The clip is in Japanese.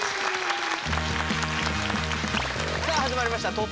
さあ始まりました